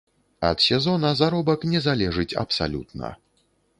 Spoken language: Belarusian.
Ад сезона заробак не залежыць абсалютна.